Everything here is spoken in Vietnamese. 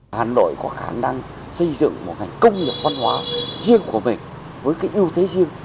hà nội có khả năng xây dựng một ngành công nghiệp văn hóa riêng của mình với cái ưu thế riêng